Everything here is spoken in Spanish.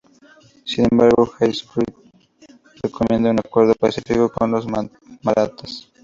Sin embargo, Jai Singh recomienda un acuerdo pacífico con los Marathas.